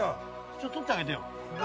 ちょっと撮ってあげてよ。